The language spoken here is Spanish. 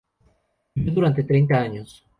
Vivió durante treinta años.